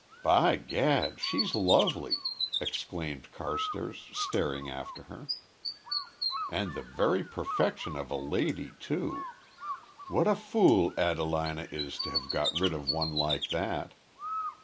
"By gad, she's lovely!" exclaimed Carstairs, staring after her, "and the very perfection of a lady too. What a fool Adelina is to have got rid of one like that."